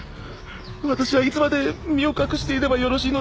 私はいつまで身を隠していればよろしいのでしょうか？